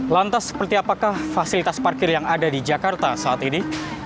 lantas seperti apakah fasilitas parkir yang ada di jakarta saat ini